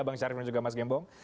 bang syarif dan juga mas gembong